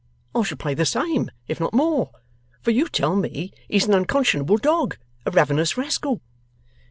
I shall pay the same, if not more. For you tell me he's an unconscionable dog, a ravenous rascal.